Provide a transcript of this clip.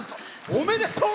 おめでとう！